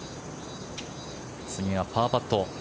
次はパーパット。